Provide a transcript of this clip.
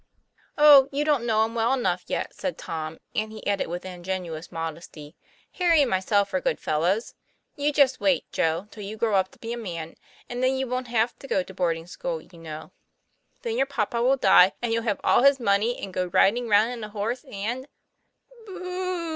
"Oh, you don't know 'em well enough )%t," said Tom ; and he added with ingenuous modesty, " Harry and myself are good fellows. You just wait, Joe, till you grow up to be a man, and then you wont have to go to boarding school, you know. Then your papa will die, and you'll have all his money, and go riding round in a horse and " 'Boo oo!"